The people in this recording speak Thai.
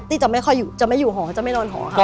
อ๊ะตี้จะไม่ค่อยอยู่ฮอจะไม่นอนฮอค่ะ